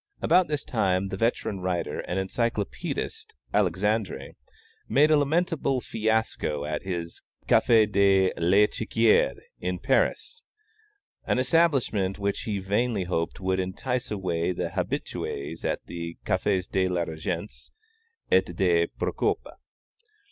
About this time, the veteran writer and encyclopædist, Alexandre, made a lamentable fiasco at his Café de l'Echiquiér in Paris; an establishment which he vainly hoped would entice away the habitués of the Cafés de la Régence et de Procope.